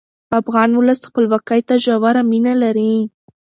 افغان ولس خپلواکۍ ته ژوره مینه لري.